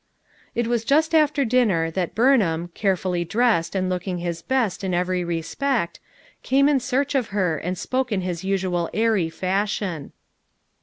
It was just after dinner that Burnham, care fully dressed and looking his best in every re spect, came in search of her and spoke in his usual airy fashion.